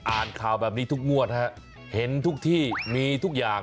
อ่านข่าวแบบนี้ทุกงวดฮะเห็นทุกที่มีทุกอย่าง